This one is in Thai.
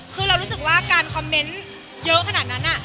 คือเรารู้สึกว่าการคอมเมนต์เยอะขนาดนั้น